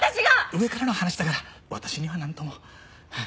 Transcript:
上からの話だから私にはなんとも。